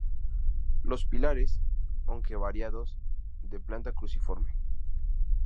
Los pilares, aunque variados, de planta cruciforme.